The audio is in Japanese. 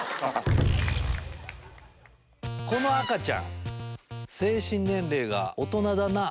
この赤ちゃん精神年齢が大人だな。